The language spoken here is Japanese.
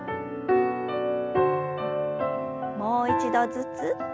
もう一度ずつ。